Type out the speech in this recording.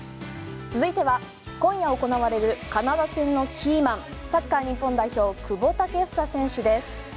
続いては今夜行われるカナダ戦のキーマンサッカー日本代表の久保建英選手です。